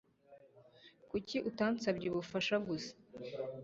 Kuki utansabye ubufasha gusa